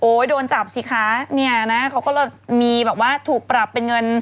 โดนจับสิคะเนี่ยนะเขาก็เลยมีแบบว่าถูกปรับเป็นเงิน